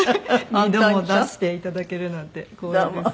２度も出して頂けるなんて光栄です。